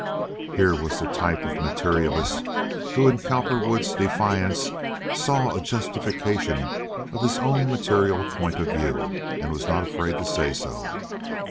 Here was the type of materialist who in Cowperwood's defiance saw a justification of his own material point of view and was not afraid to say so.